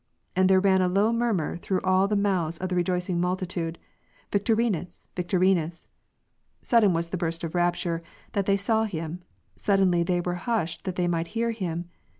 and there ran a low murmur through all the mouths of the rejoicing mviltitude, Victorinus ! Victorinus ! Sudden was the burst of rapture, that they saw him ; sud denly were they hushed that they might hear him.